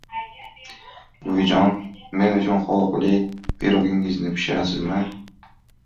- Buvijon, men uchun qovoqli pirogingizni pishirasizmi?